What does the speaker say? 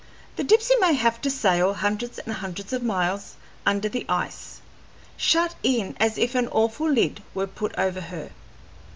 The Dipsey may have to sail hundreds and hundreds of miles under the ice, shut in as if an awful lid were put over her.